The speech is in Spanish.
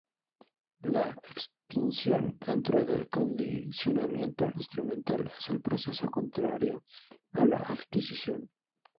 La extinción dentro del condicionamiento instrumental es el proceso contrario a la adquisición.